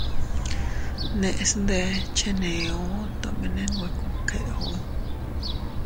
Neʼes ndé cheneo tomene nwe kubkeo.